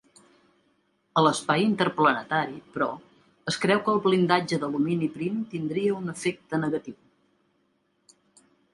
A l'espai interplanetari, però, es creu que el blindatge d'alumini prim tindria un efecte negatiu.